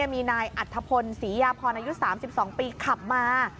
มีนายอัธพลศรียาพรอายุ๓๒ปีขับมา